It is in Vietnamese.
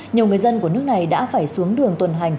nhiều người dân của nước này đã phải xuống đường tuần hành